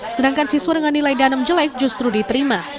sedangkan siswa dengan nilai danem jelek justru diterima